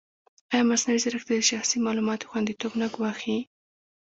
ایا مصنوعي ځیرکتیا د شخصي معلوماتو خوندیتوب نه ګواښي؟